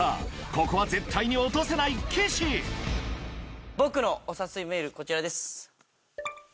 ここは絶対に落とせない僕のお誘いメールこちらです。